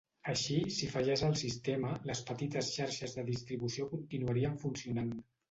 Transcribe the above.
Així, si fallàs el sistema, les petites xarxes de distribució continuarien funcionant.